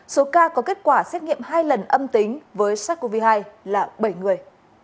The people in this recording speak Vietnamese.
số ca có kết quả xét nghiệm hai lần âm tính với sars cov hai là bảy người